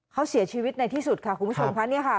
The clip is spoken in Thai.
เขาเสียชีวิตในที่สุดค่ะคุณผู้ชมค่ะ